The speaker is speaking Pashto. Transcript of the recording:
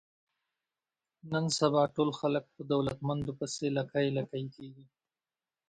نن سبا ټول خلک په دولتمندو پسې لکۍ لکۍ کېږي.